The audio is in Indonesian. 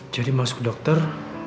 jadi masuk dokter